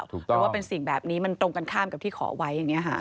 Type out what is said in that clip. เพราะว่าเป็นสิ่งแบบนี้มันตรงกันข้ามกับที่ขอไว้อย่างนี้ค่ะ